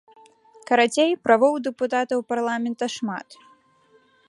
Карацей, правоў у дэпутатаў парламента шмат.